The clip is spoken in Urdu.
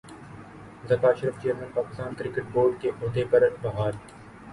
Zaka Ashraf chairman Pakistan cricket board کے عہدے پر بحال